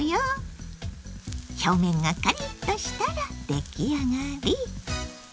表面がカリッとしたら出来上がり。